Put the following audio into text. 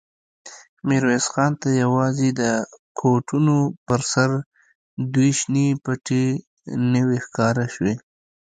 ميرويس خان ته يواځې د کوټونو پر سر دوې شنې پټې نوې ښکاره شوې.